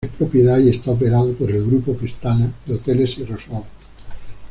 Es propiedad y está operado por el Grupo Pestana de hoteles y resorts.